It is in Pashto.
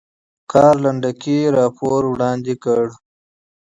کار لنډکی ګزارش وړاندې کړ.